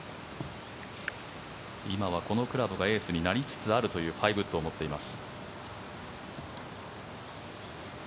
今はこのクラブがエースになりつつあるという５ウッドを持っています。